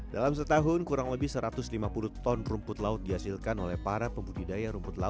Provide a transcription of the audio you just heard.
dalam setahun kurang lebih satu ratus lima puluh ton rumput laut dihasilkan oleh para pembudidaya rumput laut